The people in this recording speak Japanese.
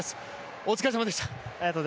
お疲れさまでした。